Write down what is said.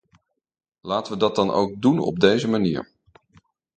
Laten we dat dan ook doen op deze manier.